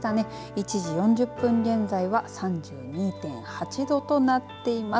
１時４０分現在は３２．８度となっています。